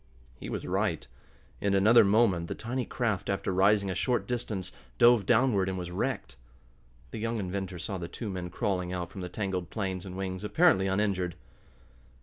He was right. In another moment the tiny craft, after rising a short distance, dove downward, and was wrecked. The young inventor saw the two men crawling out from the tangled planes and wings, apparently uninjured.